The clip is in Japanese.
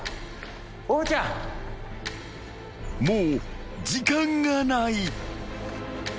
［もう時間がない］